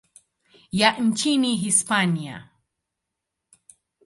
ya nchini Hispania.